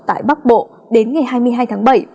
tại bắc bộ đến ngày hai mươi hai tháng bảy